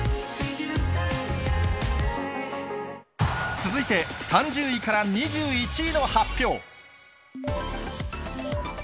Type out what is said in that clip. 続いて３０位から２１位の発表。